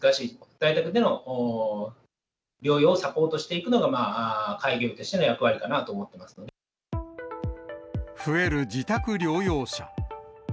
在宅での療養をサポートしていくのが、開業医としての役割かなと増える自宅療養者。